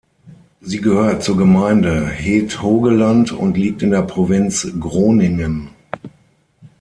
Sie gehört zur Gemeinde Het Hogeland und liegt in der Provinz Groningen.